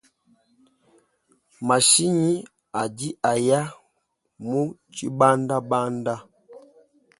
Mashinyi adi aya mu tshibandabanda.